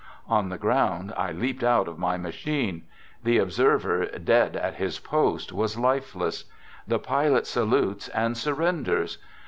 On the ground, I leaped out of my machine. The observer, dead at his post, was lifeless. The pilot salutes and surrenders.